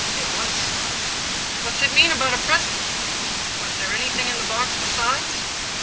It was." " What's it mean about a present? Was there anything in the box besides